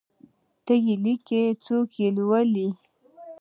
ته یی لیکه څوک یي لولﺉ